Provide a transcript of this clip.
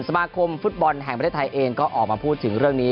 สมาคมฟุตบอลแห่งประเทศไทยเองก็ออกมาพูดถึงเรื่องนี้